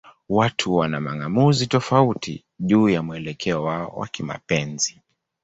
Watu wana mang'amuzi tofauti juu ya mwelekeo wao wa kimapenzi.